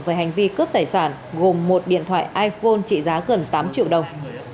về hành vi cướp tài sản gồm một điện thoại iphone trị giá gần tám triệu đồng